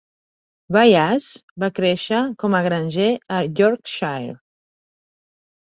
Byas va créixer com a granger a Yorkshire.